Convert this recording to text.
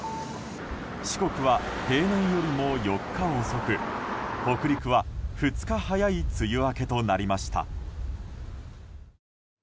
四国は平年よりも４日遅く北陸は２日早い梅雨明けとなりました。